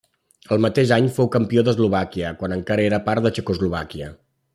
El mateix any fou campió d'Eslovàquia, quan encara era part de Txecoslovàquia.